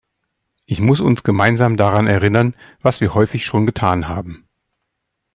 Ich muss uns gemeinsam daran erinnern, was wir häufig schon getan haben.